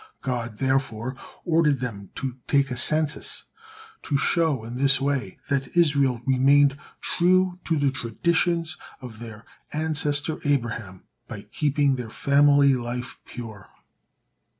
God therefore ordered them to take a census, to show in this way that Israel remained true to the traditions of their ancestor Abraham by keeping their family life pure.